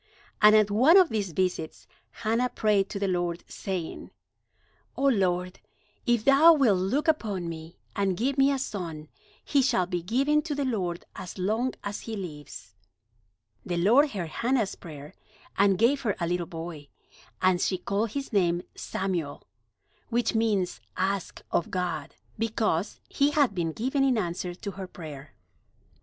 And at one of these visits Hannah prayed to the Lord, saying: "O Lord, if thou wilt look upon me, and give me a son, he shall be given to the Lord as long as he lives." The Lord heard Hannah's prayer, and gave her a little boy, and she called his name Samuel, which means "Asked of God"; because he had been given in answer to her prayer.